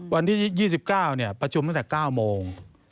วันที่๒๙ประชุมตั้งแต่๙โมง